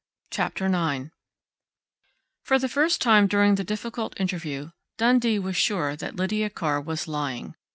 CHAPTER NINE For the first time during the difficult interview Dundee was sure that Lydia Carr was lying.